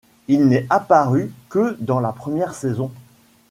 Il n'est apparu que dans la première saison.